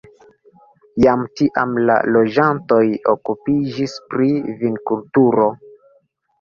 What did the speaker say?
Jam tiam la loĝantoj okupiĝis pri vinkulturo.